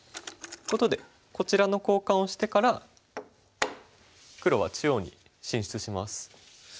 ことでこちらの交換をしてから黒は中央に進出します。